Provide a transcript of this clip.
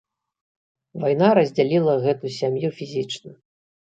Вайна раздзяліла гэту сям'ю фізічна.